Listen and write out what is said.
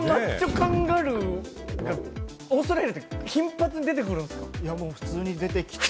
カンガルー、オーストラリアって頻繁に出てくるんですか？